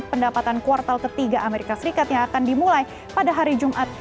pendapatan kuartal ketiga amerika serikat yang akan dimulai pada hari jumat